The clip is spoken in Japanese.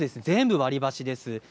全部、割り箸です。